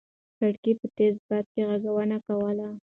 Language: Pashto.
کړکۍ په تېز باد کې غږونه کول.